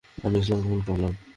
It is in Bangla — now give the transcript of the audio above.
আমি ইসলাম গ্রহণ করলাম।